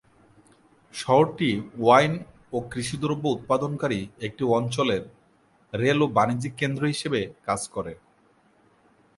শহরটি ওয়াইন ও কৃষি দ্রব্য উৎপাদনকারী একটি অঞ্চলের রেল ও বাণিজ্যিক কেন্দ্র হিসেবে কাজ করে।